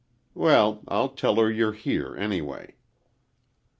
Well, I'll tell her you're here, anyway."